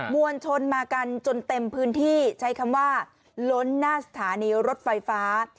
วลชนมากันจนเต็มพื้นที่ใช้คำว่าล้นหน้าสถานีรถไฟฟ้า